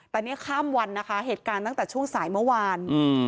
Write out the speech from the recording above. แต่เนี่ยข้ามวันนะคะเหตุการณ์ตั้งแต่ช่วงสายเมื่อวาน